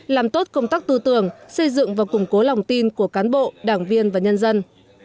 làm tốt công tác tư tưởng xây dựng và củng cố lòng tin của cán bộ đảng viên và nhân dân